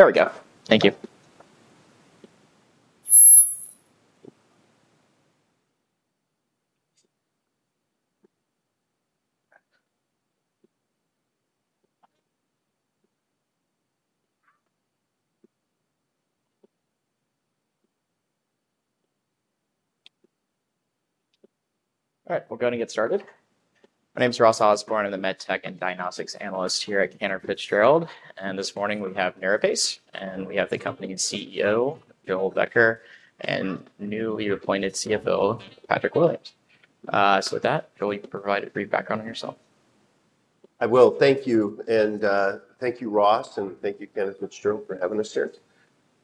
There we go. Thank you. Alright. We're gonna get started. My name is Ross Osborne. I'm the med tech and diagnostics analyst here at Cantor Fitzgerald. And this morning, we have Neuropace, and we have the company's CEO, Joel Becker, and newly appointed CFO, Patrick Williams. So with that, Joel, you can provide a brief background on yourself. I will. Thank you. And thank you, Ross, and thank you, Kenneth Fitzgerald, for having us here.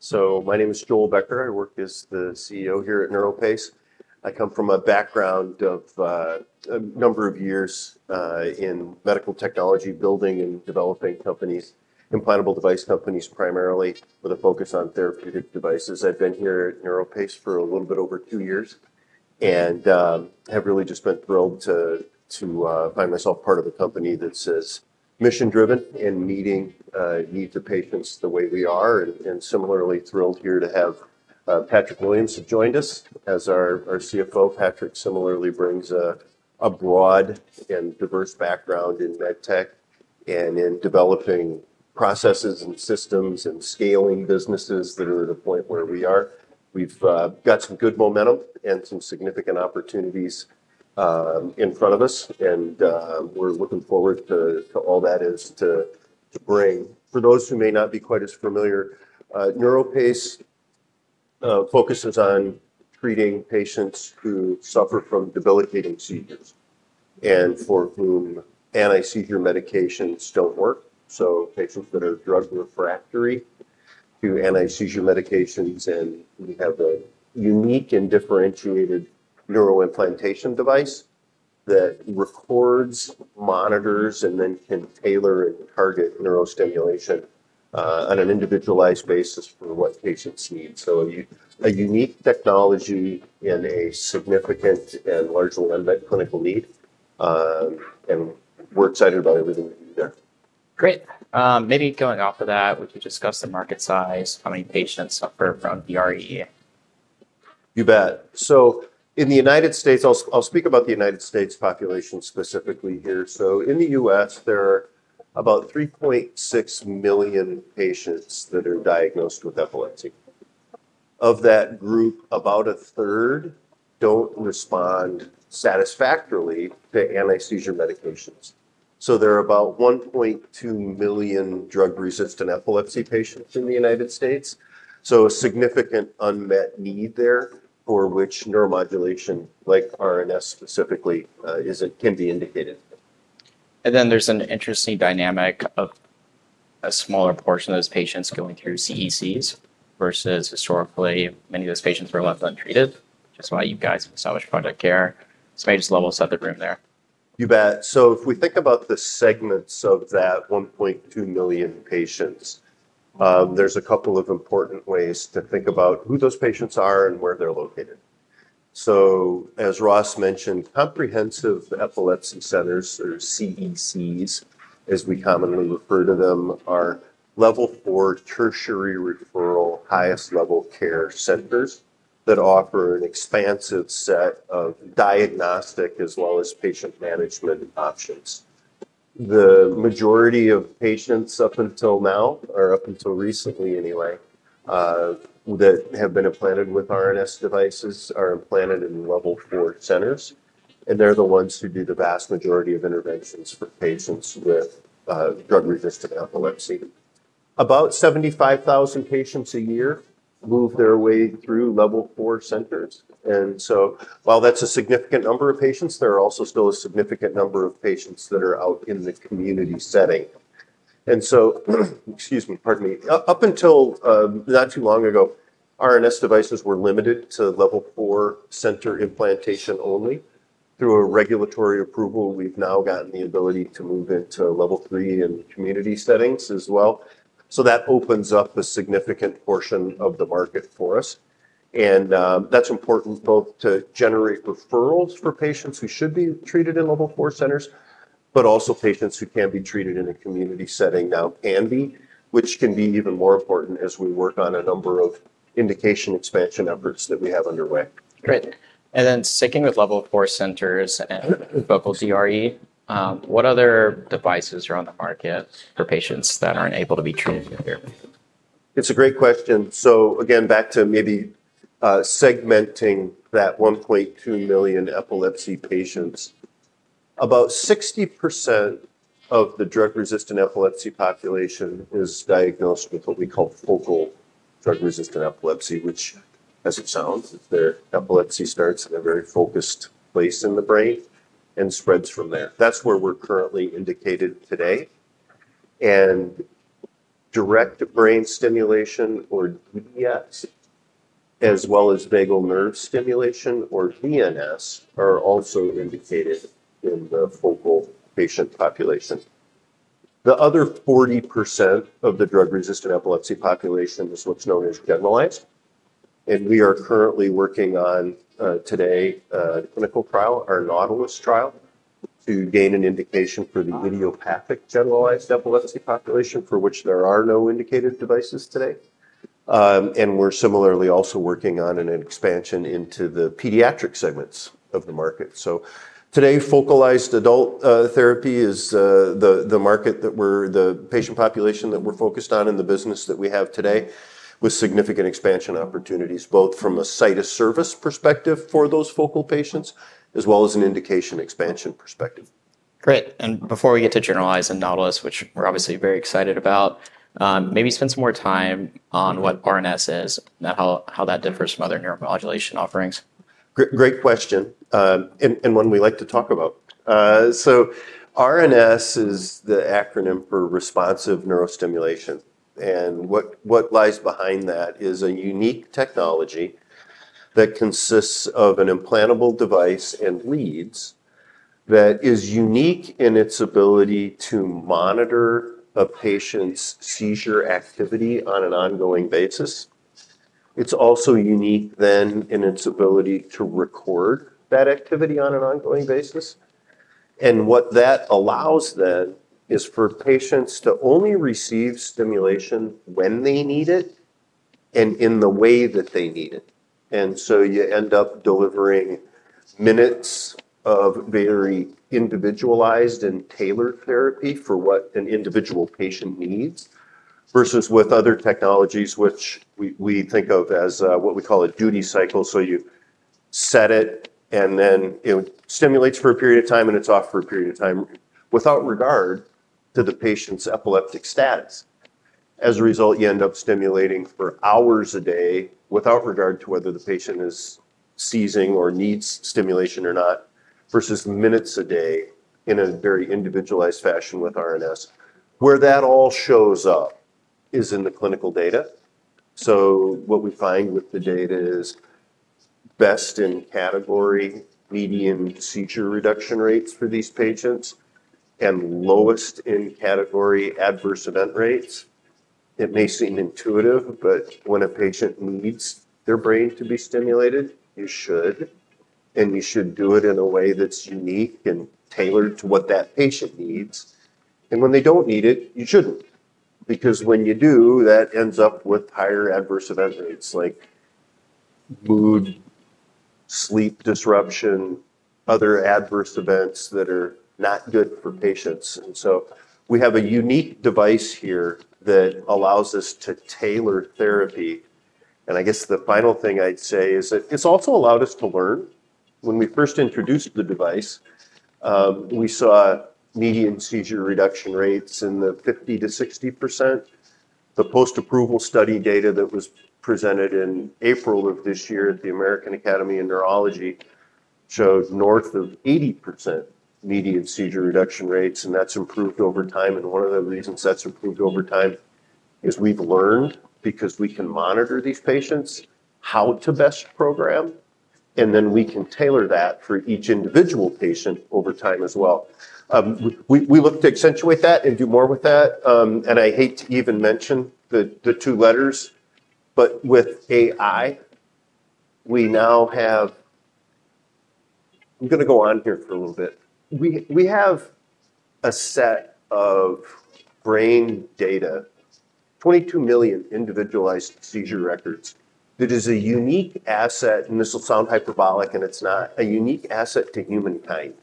So my name is Joel Becker. I work as the CEO here at Neuropace. I come from a background of a number of years in medical technology building and developing companies, implantable device companies primarily with a focus on therapeutic devices. I've been here at NeuroPace for a little bit over two years and have really just been thrilled to to find myself part of a company that says mission driven in meeting needs of patients the way we are and similarly thrilled here to have Patrick Williams have joined us as our CFO. Patrick similarly brings a broad and diverse background in med tech and in developing processes and systems and scaling businesses that are at a point where we are. We've got some good momentum and some significant opportunities in front of us, and we're looking forward to to all that is to to bring. For those who may not be quite as familiar, NeuroPace focuses on treating patients who suffer from debilitating seizures and for whom anti seizure medications don't work. So patients that are drug refractory to anti seizure medications and we have a unique and differentiated neuro implantation device that records, monitors and then can tailor and target neurostimulation on an individualized basis for what patients need. A unique technology in a significant and large unmet clinical need, and we're excited about everything do there. Great. Maybe going off of that, would you discuss the market size, how many patients suffer from VRE? You bet. So in The United States I'll I'll speak about The United States population specifically here. So in The US, there are about three point six million patients that are diagnosed with epilepsy. Of that group, about a third don't respond satisfactorily to anti seizure medications. So there are about one point two million drug resistant epilepsy patients in The United States. So a significant unmet need there for which neuromodulation, like RNS specifically, isn't can be indicated. And then there's an interesting dynamic of a smaller portion of those patients going through CECs versus historically, many of those patients were left untreated. That's why you guys have established product care. So maybe just level set the room there. You bet. So if we think about the segments of that 1,200,000 patients, there's a couple of important ways to think about who those patients are and where they're located. So as Ross mentioned, comprehensive epilepsy centers or CECs as we commonly refer to them are level four tertiary referral highest level care centers that offer an expansive set of diagnostic as well as patient management options. The majority of patients up until now or up until recently anyway that have been implanted with RNS devices are implanted in level four centers and they're the ones who do the vast majority of interventions for patients with drug resistant epilepsy. About seventy five thousand patients a year move their way through level four centers. And so while that's a significant number of patients, there are also still a significant number of patients that are out in the community setting. And so excuse me, pardon me. Up until not too long ago, RNS devices were limited to level four center implantation only. Through a regulatory approval, we've now gotten the ability to move it to level three in community settings as well. So that opens up a significant portion of the market for us. And that's important both to generate referrals for patients who should be treated in level four centers, but also patients who can be treated in a community setting now can be, which can be even more important as we work on a number of indication expansion efforts that we have underway. Great. And then sticking with level four centers Vocal ZRE, what other devices are on the market for patients that aren't able to be treated here? It's a great question. So again, back to maybe segmenting that one point two million epilepsy patients. About sixty percent of the drug resistant epilepsy population is diagnosed with what we call focal drug resistant epilepsy, which as it sounds, is their epilepsy starts in a very focused place in the brain and spreads from there. That's where we're currently indicated today. And direct brain stimulation or VNS as well as vagal nerve stimulation or VNS are also indicated in the focal patient population. The other forty percent of the drug resistant epilepsy population is what's known as generalized and we are currently working on today a clinical trial, our NAUTILIST trial, to gain an indication for the idiopathic generalized epilepsy population for which there are no indicated devices today. And we're similarly also working on an expansion into the pediatric segments of the market. So today, focalized adult therapy is the market that we're the patient population that we're focused on in the business that we have today with significant expansion opportunities, both from a site of service perspective for those focal patients as well as an indication expansion perspective. Great. And before we get to generalize and Nautilus, which we're obviously very excited about, maybe spend some more time on what RNS is and how that differs from other neuromodulation offerings. Great question, and one we like to talk about. So, RNS is the acronym for responsive neurostimulation. And what lies behind that is a unique technology that consists of an implantable device and leads that is unique in its ability to monitor a patient's seizure activity on an ongoing basis. It's also unique then in its ability to record that activity on an ongoing basis. And what that allows then is for patients to only receive stimulation when they need it and in the way that they need it. And so you end up delivering minutes of very individualized and tailored therapy for what an individual patient needs versus with other technologies which we we think of as what we call a duty cycle. So you set it and then it stimulates for a period of time and it's off for a period of time without regard to the patient's epileptic status. As a result, you end up stimulating for hours a day without regard to whether the patient is seizing or needs stimulation or not versus minutes a day in a very individualized fashion with RNS. Where that all shows up is in the clinical data. So what we find with the data is best in category, medium seizure reduction rates for these patients and lowest in category adverse event rates. It may seem intuitive, when a patient needs their brain to be stimulated, you should. And you should do it in a way that's unique and tailored to what that patient needs. And when they don't need it, you shouldn't. Because when you do, that ends up with higher adverse event rates like mood, sleep disruption, other adverse events that are not good for patients. And so we have a unique device here that allows us to tailor therapy. And I guess the final thing I'd say is that it's also allowed us to learn. When we first introduced the device, we saw median seizure reduction rates in the fifty to sixty percent. The post approval study data that was presented in April at the American Academy of Neurology showed north of eighty percent median seizure reduction rates and that's improved over time. And one of the reasons that's improved over time is we've learned because we can monitor these patients how to best program and then we can tailor that for each individual patient over time as well. We we look to accentuate that and do more with that. And I hate to even mention the the two letters, but with AI, we now have I'm gonna go on here for a little bit. We we have a set of brain data, 22,000,000 individualized seizure records. It is a unique asset, and this will sound hyperbolic and it's not a unique asset to humankind.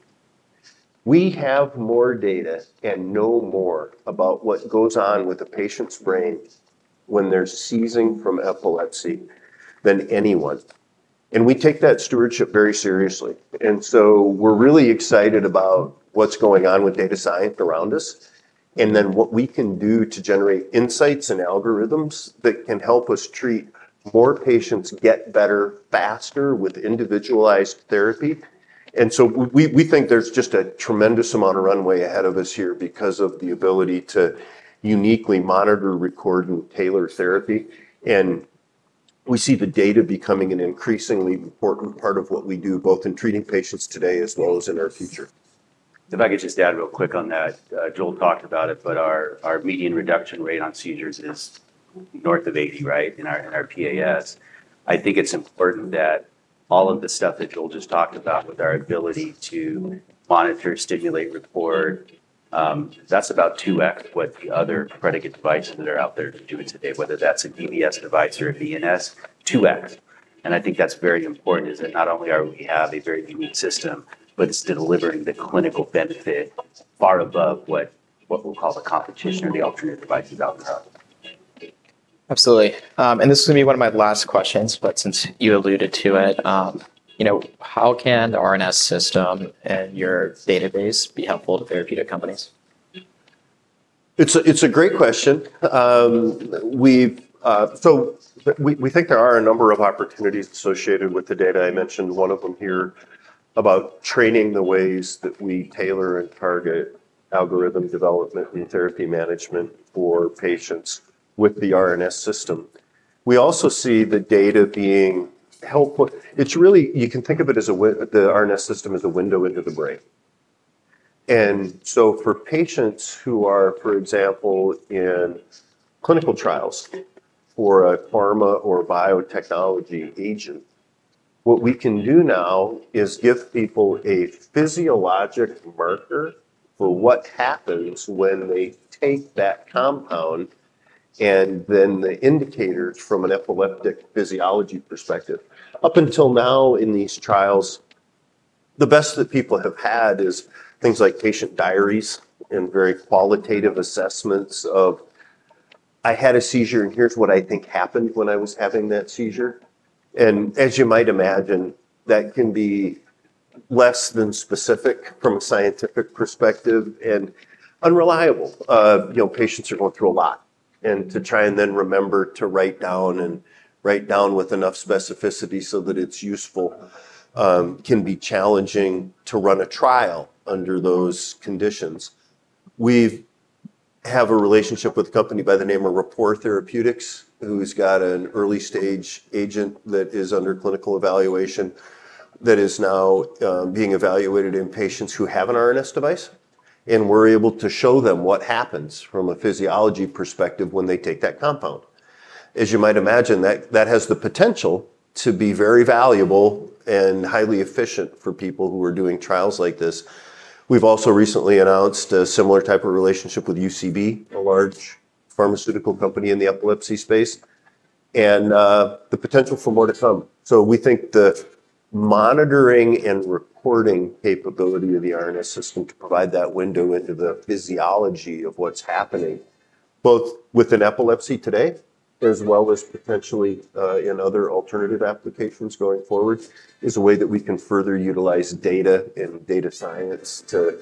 We have more data and know more about what goes on with the patient's brain when they're seizing from epilepsy than anyone. And we take that stewardship very seriously. And so we're really excited about what's going on with data science around us. And then what we can do to generate insights and algorithms that can help us treat more patients get better faster with individualized therapy. And so we think there's just a tremendous amount of runway ahead of us here because of the ability to uniquely monitor, record, and tailor therapy. And we see the data becoming an increasingly important part of what we do both in treating patients today as well as in our future. If I could just add real quick on that, Joel talked about it, but our our median reduction rate on seizures is north of 80, right, in our in our PAS. I think it's important that all of the stuff that Joel just talked about with our ability to monitor, stimulate, report, that's about two x what the other predicate devices that are out there doing today, whether that's a DBS device or a VNS, two x. And I think that's very important is that not only are we have a very unique system, but it's delivering the clinical benefit far above what what we'll call the competition or the alternate devices out there. Absolutely. And this is gonna be one of my last questions, but since you alluded to it, you know, can the RNS system and your database be helpful to therapeutic companies? It's a it's a great question. We've, so, we think there are a number of opportunities associated with the data. I mentioned one of them here about training the ways that we tailor and target algorithm development and therapy management for patients with the RNS system. We also see the data being helpful. It's really you can think of it as a the RNS system as a window into the brain. And so for patients who are, for example, in clinical trials for a pharma or biotechnology agent, what we can do now is give people a physiologic marker for what happens when they take that compound and then the indicators from an epileptic physiology perspective. Up until now in these trials, the best that people have had is things like patient diaries and very qualitative assessments of, I had a seizure and here's what I think happened when I was having that seizure. And as you might imagine, that can be less than specific from a scientific perspective and unreliable. You know, patients are going through a lot. And to try and then remember to write down and write down with enough specificity so that it's useful can be challenging to run a trial under those conditions. We have a relationship with a company by the name of Rapport Therapeutics, who's got an early stage agent that is under clinical evaluation that is now being evaluated in patients who have an RNS device. And we're able to show them what happens from a physiology perspective when they take that compound. As you might imagine, that has the potential to be very valuable and highly efficient for people who are doing trials like this. We've also recently announced a similar type of relationship with UCB, a large pharmaceutical company in the epilepsy space, and the potential for more to come. So we think the monitoring and reporting capability of the RNS system provide that window into the physiology of what's happening, both within epilepsy today, as well as potentially in other alternative applications going forward, is a way that we can further utilize data and data science to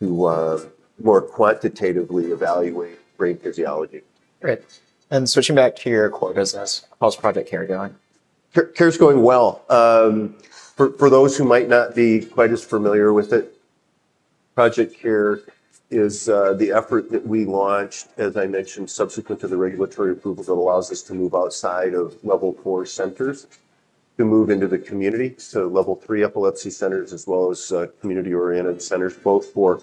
more quantitatively evaluate brain physiology. Great. And switching back to your core business, how's Project Care going? Care is going well. For those who might not be quite as familiar with it, Project Care is the effort that we launched, as I mentioned, subsequent to the regulatory approval that allows us to move outside of level four centers to move into the community. So level three epilepsy centers as well as community oriented centers, both for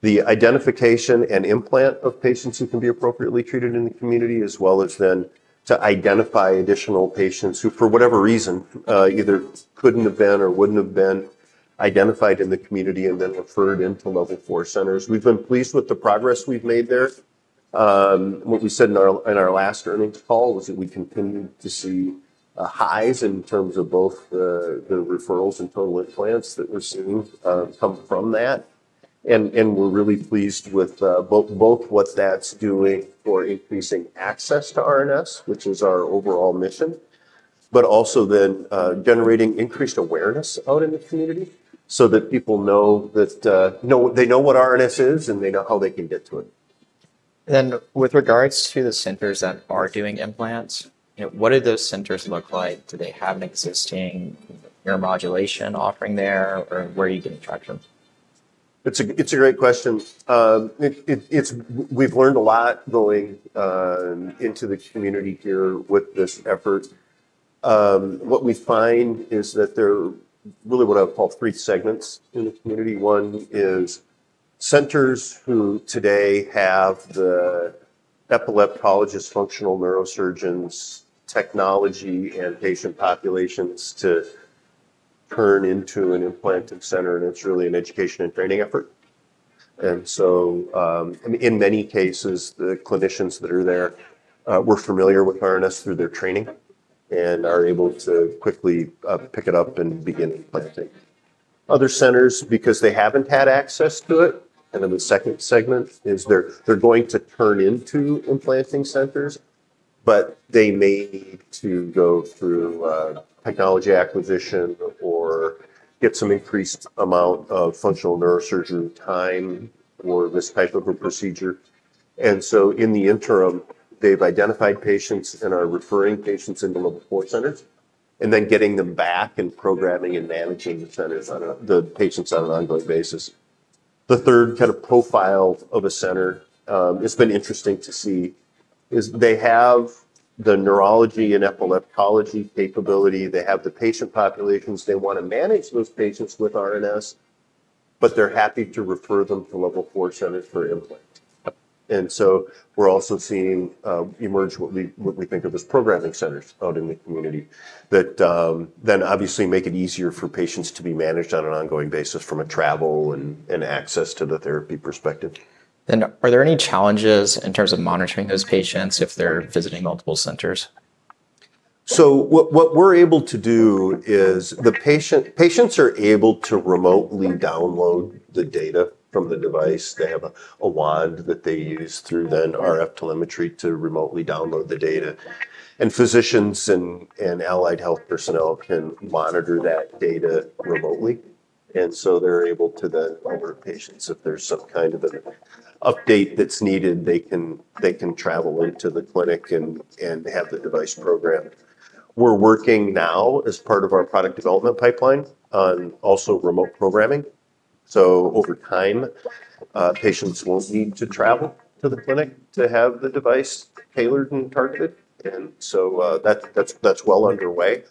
the identification and implant of patients who can be appropriately treated in the community as well as then to identify additional patients who, for whatever reason, either couldn't have been or wouldn't have been identified in the community and then referred into Level four centers. We've been pleased with the progress we've made there. What we said in our last earnings call was that we continue to see highs in terms of both the referrals and total implants that we're seeing come from that. And we're really pleased with both what that's doing for increasing access to RNS, which is our overall mission, but also then generating increased awareness out in the community, so that people know that know what they know what RNS is and they know how they can get to it. And then with regards to the centers that are doing implants, what do those centers look like? Do they have an existing neuromodulation offering there? Or where are you getting traction? It's a great question. It's we've learned a lot going into the community here with this effort. What we find is that there are really what I would call three segments in the community. One is centers who today have the epileptologist functional neurosurgeons technology and patient populations to turn into an implanted center. And it's really an education and training effort. And so I mean, in many cases, the clinicians that are there were familiar with harness through their training and are able to quickly pick it up and begin implanting. Other centers because they haven't had access to it. And then the second segment is they're they're going to turn into implanting centers, but they may need to go through technology acquisition or get some increased amount of functional neurosurgery time for this type of a procedure. And so in the interim, they've identified patients and are referring patients in the local support centers and then getting them back and programming and managing the centers on a the patients on an ongoing basis. The third kind of profile of a center it's been interesting to see is they have the neurology and epilepsy capability. They have the patient populations. They want to manage those patients with RNS, but they're happy to refer them to level four centers for implant. And so we're also seeing emerge what we what we think of as programming centers out in the community that then obviously make it easier for patients to be managed on an ongoing basis from a travel and and access to the therapy perspective. And are there any challenges in terms of monitoring those patients if they're visiting multiple centers? So what we're able to do is the patient patients are able to remotely download the data from the device. They have a wand that they use through then RF telemetry to remotely download the data. And physicians and and allied health personnel can monitor that data remotely. And so they're able to then over patients, if there's some kind of update that's needed, they can they can travel into the clinic and and have the device programmed. We're working now as part of our product development pipeline on also remote programming. So over time, patients will need to travel to the clinic to have the device tailored and targeted. And so, that that's that's well underway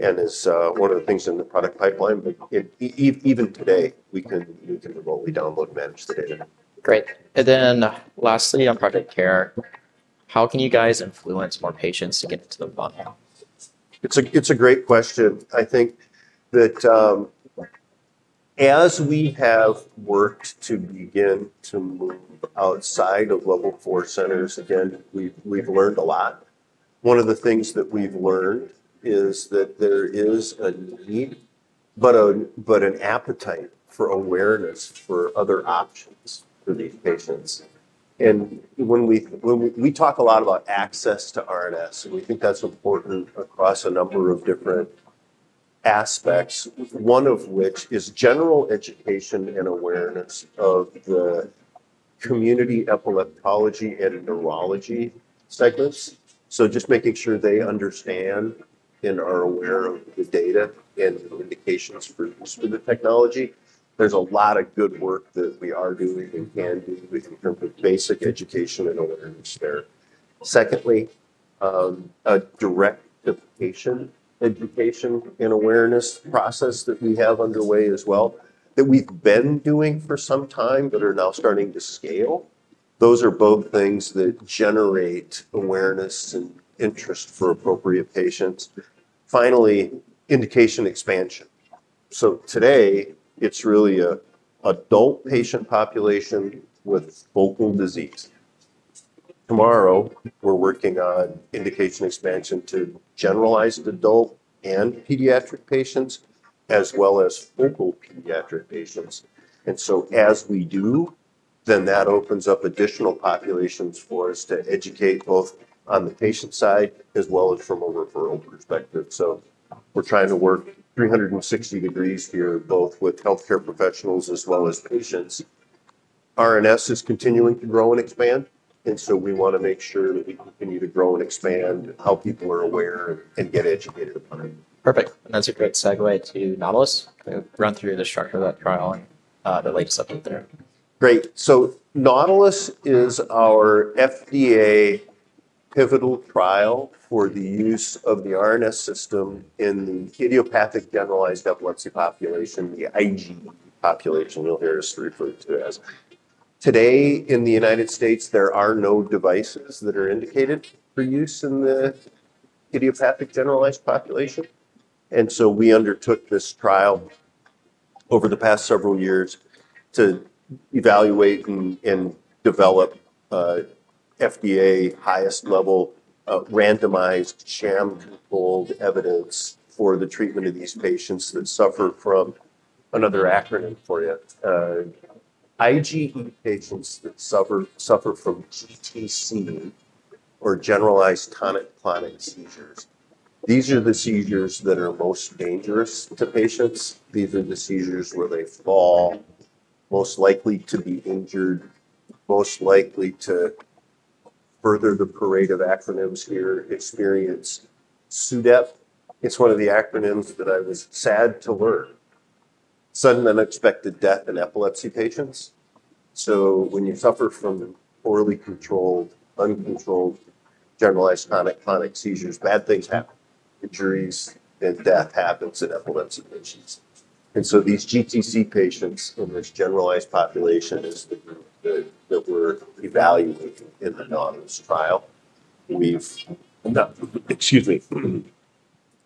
and is, one of the things in the product pipeline. But it eve even today, we can can remotely download managed data. Great. And then lastly on product care, how can you guys influence more patients to get to the bottom half? It's a it's a great question. I think that as we have worked to begin to move outside of level four centers, again, we've we've learned a lot. One of the things that we've learned is that there is a need, but an appetite for awareness for other options for these patients. And when we when we we talk a lot about access to RNS, and we think that's important across a number of different aspects. One of which is general education and awareness of the community, epileptology, and neurology segments. So just making sure they understand and are aware of the data and the indications for for the technology. There's a lot of good work that we are doing and can do with in terms of basic education and awareness there. Secondly, a direct education, education and awareness process that we have underway as well that we've been doing for some time but are now starting to scale. Those are both things that generate awareness and interest for appropriate patients. Finally, indication expansion. So today, it's really a adult patient population with focal disease. Tomorrow, we're working on indication expansion to generalized adult and pediatric patients as well as focal pediatric patients. And so as we do, then that opens up additional populations for us to educate both on the patient side as well as from a referral perspective. So we're trying to work 360 degrees here both with health care professionals as well as patients. RNS is continuing to grow and expand, and so we want to make sure that we continue to grow and expand, how people are aware and get educated upon it. Perfect. And that's a great segue to Nautilus. I'll through the structure of that trial and the latest update there. Great. So Nautilus is our FDA pivotal trial for the use of the RNS system in the idiopathic generalized epilepsy population, the IgE population you'll hear us refer to as. Today in The United States, there are no devices that are indicated for use in the idiopathic generalized population. And so we undertook this trial over the past several years to evaluate and develop FDA highest level randomized sham gold evidence for the treatment of these patients that suffer from another acronym for you, IgE patients that suffer suffer from GTC or generalized tonic clonic seizures. These are the seizures that are most dangerous to patients. These are the seizures where they fall, most likely to be injured, most likely to further the parade of acronyms here, experience. SUDEP, it's one of the acronyms that I was sad to learn. Sudden unexpected death in epilepsy patients. So when you suffer from poorly controlled, uncontrolled, generalized tonic tonic seizures, bad things happen. The jury's and death happens in epilepsy patients. And so these GTC patients from this generalized population is the group that that we're evaluating in the DAWNESS trial. We've excuse me.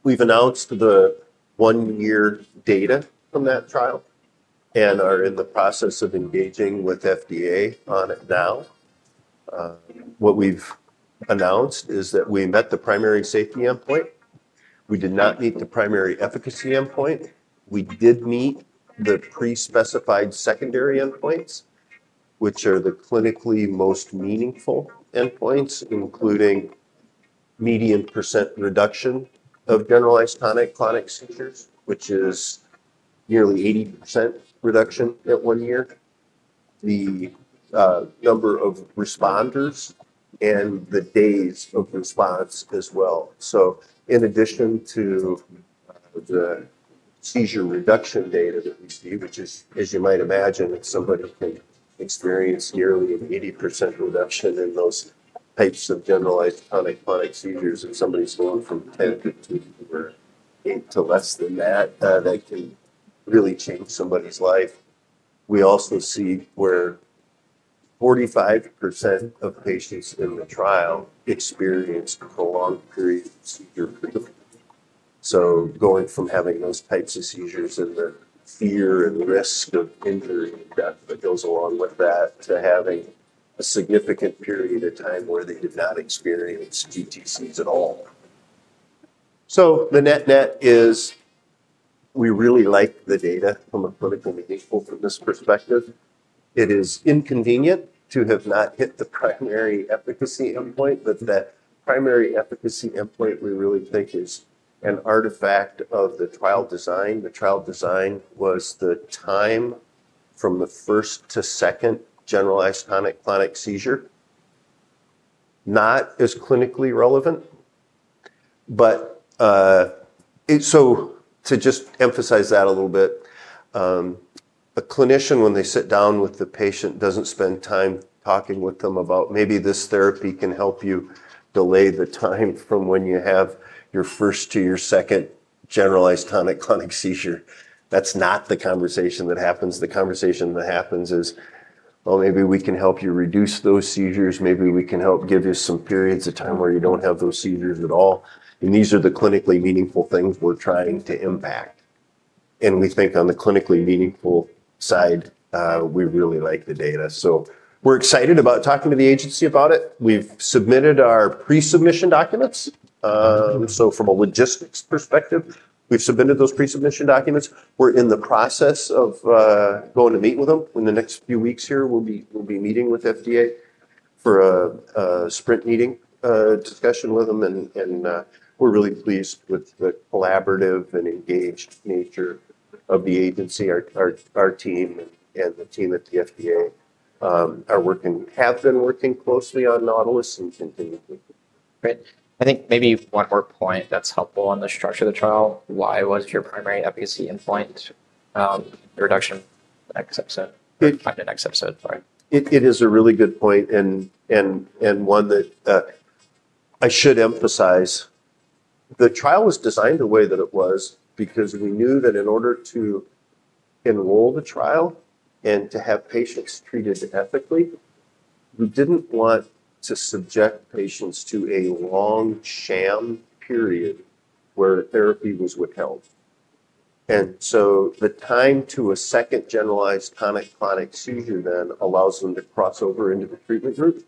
We've announced the one year data from that trial and are in the process of engaging with FDA on it now. What we've announced is that we met the primary safety endpoint. We did not meet the primary efficacy endpoint. We did meet the prespecified secondary endpoints, which are the clinically most meaningful endpoints, median percent reduction of generalized tonic clonic seizures, which is nearly eighty percent reduction at one year. The number of responders and the days of response as well. So in addition to the seizure reduction data that we see, which is, as you might imagine, if somebody experienced yearly immediate percent reduction in those types of generalized tonic clonic seizures and somebody's going from ten to 15 to 10 than that, that can really change somebody's life. We also see where forty five percent of patients in the trial experienced prolonged period of seizure. Going from having those types of seizures and the fear and risk of injury that that goes along with that to having a significant period of time where they did not experience GTCs at all. So the net net is we really like the data from a political leadership perspective. It is inconvenient to have not hit the primary efficacy endpoint, but that primary efficacy endpoint we really think is an artifact of the trial design. The trial design was the time from the first to second generalized tonic clonic seizure. Not as clinically relevant, but it's so to just emphasize that a little bit, a clinician, when they sit down with the patient, doesn't spend time talking with them about maybe this therapy can help you delay the time from when you have your first to your second generalized tonic clonic seizure. That's not the conversation that happens. The conversation that happens is, well, maybe we can help you reduce those seizures, maybe we can help give you some periods of time where you don't have those seizures at all. And these are the clinically meaningful things we're trying to impact. And we think on the clinically meaningful side, we really like the data. So we're excited about talking to the agency about it. We've submitted our pre submission documents. So from a logistics perspective, we've submitted those pre submission documents. We're in the process of going to meet with them. In the next few weeks here, we'll be we'll be meeting with FDA for a sprint meeting discussion with them, and and we're really pleased with the collaborative and engaged nature of the agency. Our our our team and and the team at the FDA are working have been working closely on Nautilus and continue. Great. I think maybe one more point that's helpful on the structure of the trial. Why was your primary efficacy endpoint reduction? Next episode. It is a really good point and one that I should emphasize. The trial was designed the way that it was because we knew that in order to enroll the trial and to have patients treated ethically, we didn't want to subject patients to a long sham period where therapy was withheld. And so the time to a second generalized tonic clonic seizure then allows them to cross over into the treatment group.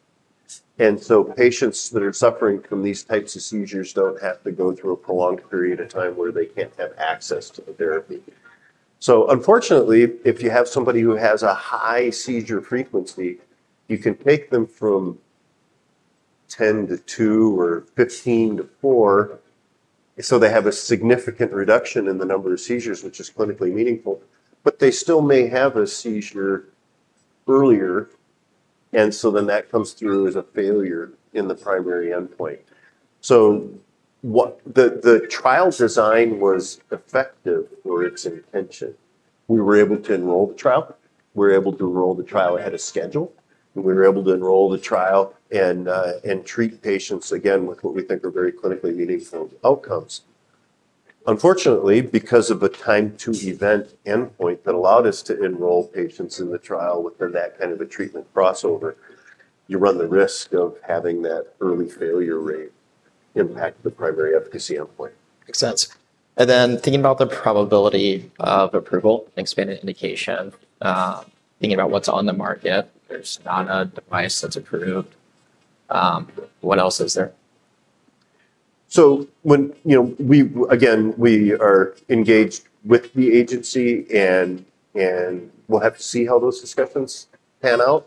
And so patients that are suffering from these types of seizures don't have to go through a prolonged period of time where they can't have access to the therapy. So unfortunately, if you have somebody who has a high seizure frequency, you can take them from 10 to two or 15 to four. So they have a significant reduction in the number of seizures which is clinically meaningful, but they still may have a seizure earlier And so then that comes through as a failure in the primary endpoint. So what the the trial's design was effective for its intention. We were able to enroll the trial. We were able to enroll the trial ahead of schedule. And we were able to enroll the trial and treat patients again with what we think are very clinically meaningful outcomes. Unfortunately, because of the time to event endpoint that allowed us to enroll patients in the trial with that kind of a treatment crossover, you run the risk of having that early failure rate impact the primary efficacy endpoint. Makes sense. And then thinking about the probability of approval, expanded indication, thinking about what's on the market, if it's not a device that's approved, what else is there? So when, you know, we again, we are engaged with the agency and and we'll have to see how those discussions pan out,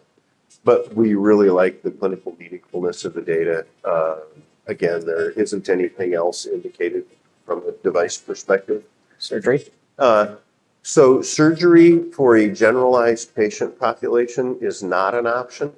but we really like the clinical meaningfulness of the data. Again, there isn't anything else indicated from a device perspective. Surgery? So surgery for a generalized patient population is not an option.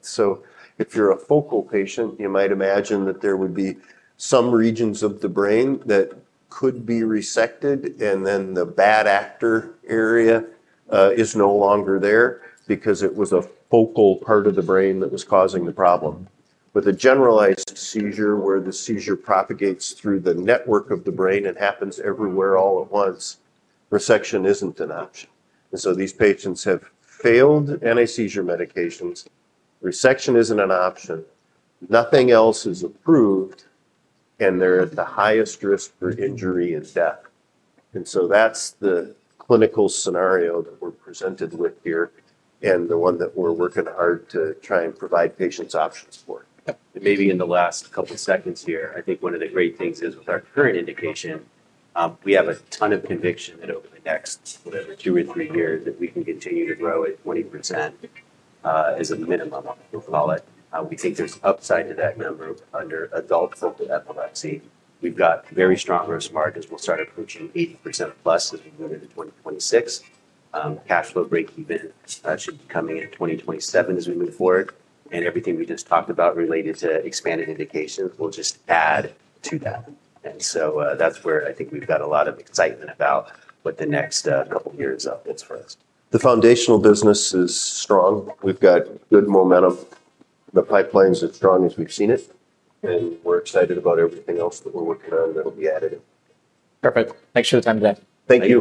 So if you're a focal patient, you might imagine that there would be some regions of the brain that could be resected and then the bad actor area, is no longer there because it was a focal part of the brain that was causing the problem. With a generalized seizure where the seizure propagates through the network of the brain and happens everywhere all at once, resection isn't an option. And so these patients have failed anti seizure medications, resection isn't an option, nothing else is approved, and they're at the highest risk for injury and death. And so that's the clinical scenario that we're presented with here and the one that we're working hard to try and provide patients options for. Yep. And maybe in the last couple of seconds here, I think one of the great things is with our current indication, we have a ton of conviction that over the next, whatever, two or three years that we can continue to grow at twenty percent as a minimum, we'll call it. We think there's upside to that number under adult epilepsy. We've got very strong gross margins. We'll start approaching eighty percent plus as we move into 2026. Cash flow breakeven should be coming in 2027 as we move forward. And everything we just talked about related to expanded indications will just add to that. And so that's where I think we've got a lot of excitement about what the next couple of years up is for us. The foundational business is strong. We've got good momentum. The pipeline is as strong as we've seen it, and we're excited about everything else that we're working on that will be added in. Perfect. Thanks for the time, Dan. Thank you.